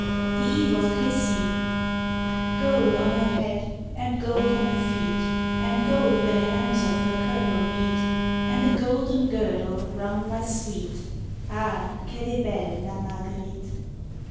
THE EVE OF CRECY Gold on her head, and gold on her feet, And gold where the hems of her kirtle meet, And a golden girdle round my sweet; _Ah! qu'elle est belle La Marguerite.